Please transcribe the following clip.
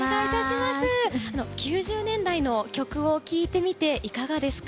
９０年代の曲を聴いてみて、いかがですか。